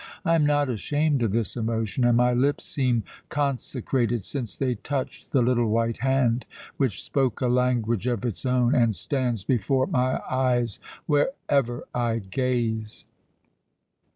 I am not ashamed of this emotion, and my lips seem consecrated since they touched the little white hand which spoke a language of its own and stands before my eyes wherever I gaze."